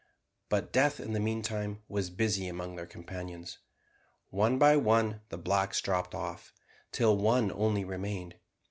But death in the meantime was busy among their companions. One by one the blacks dropped off, till one only remained.